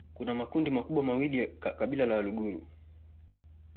Kuna makundi makubwa mawili ya kabila la Waluguru